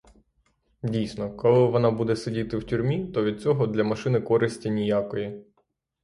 Дійсно, коли вона буде сидіти в тюрмі, то від цього для машини користі ніякої.